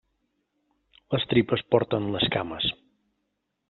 Les tripes porten les cames.